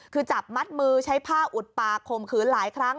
คือจับมัดมือใช้ผ้าอุดปากข่มขืนหลายครั้ง